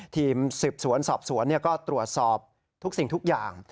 ทีมสืบสวนสอบสวนก็ตรวจสอบทุกสิ่งทุกอย่าง